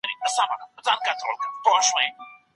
آيا په کندهار کې د واده دودونه ځانګړي دي؟